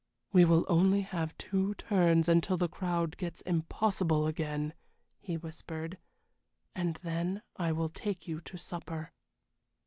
"We will only have two turns until the crowd gets impossible again," he whispered, "and then I will take you to supper."